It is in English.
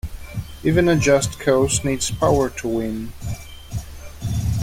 Even a just cause needs power to win.